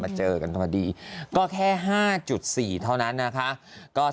พี่ะหวันมันอยู่ใกล้ญี่ปุนกับเขาหรี่